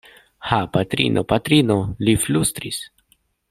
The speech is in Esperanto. Ho patrino, patrino! li flustris.